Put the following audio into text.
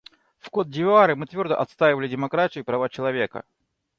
В Котд'Ивуаре мы твердо отстаивали демократию и права человека.